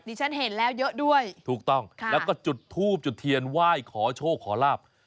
ฉันเห็นแล้วเยอะด้วยถูกต้องแล้วก็จุดทูบจุดเทียนไหว้ขอโชคขอลาบ